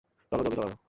চলো জলদি চলো!